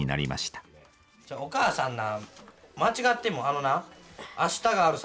お母さんな間違ってもあのな「明日があるさ」